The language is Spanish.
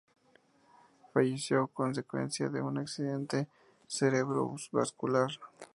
Falleció a consecuencia de un Accidente cerebrovascular.